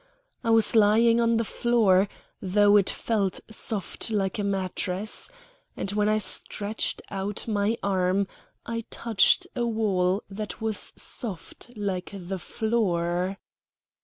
I was lying on the floor, though it felt soft like a mattress, and when I stretched out my arm I touched a wall that was soft like the floor.